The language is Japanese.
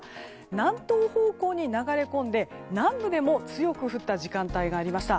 南東方向に流れ込んで、南部でも強く降った時間帯がありました。